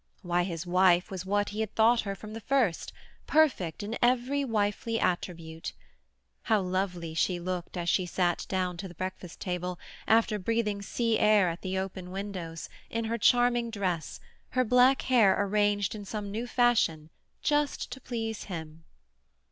Why, his wife was what he had thought her from the first, perfect in every wifely attribute. How lovely she looked as she sat down to the breakfast table, after breathing sea air at the open windows, in her charming dress, her black hair arranged in some new fashion just to please him!